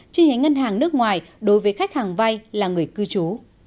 chứ nhánh ngân hàng nước ngoài đối với khách hàng vai là người cư chú